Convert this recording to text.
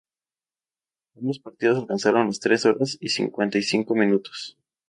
Ambos partidos alcanzaron las tres hora y cincuenta y cinco minutos.